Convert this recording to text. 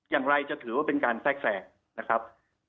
อย่างไรจะถือว่าเป็นการแทรกแทรงนะครับ